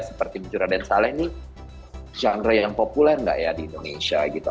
seperti raden saleh ini genre yang populer nggak ya di indonesia gitu